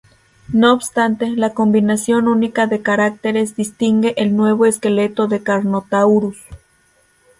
No obstante, la combinación única de caracteres distingue el nuevo esqueleto de "Carnotaurus".